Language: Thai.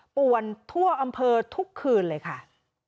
ป่วนทั่วอำเภอทุกคืนเลยค่ะ